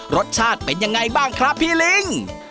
รสชาติเป็นยังไงบ้างครับพี่ลิง